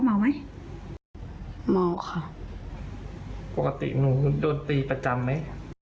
ปกติหนูโดนตีประจำไหม